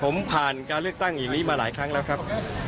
ผมผ่านการเลือกตั้งอย่างนี้มาหลายครั้งแล้วครับ